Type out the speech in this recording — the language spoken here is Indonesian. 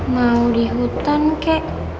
mau di hutan kek